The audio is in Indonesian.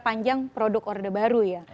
panjang produk orde baru ya